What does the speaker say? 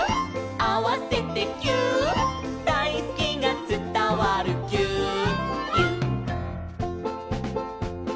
「あわせてぎゅーっ」「だいすきがつたわるぎゅーっぎゅっ」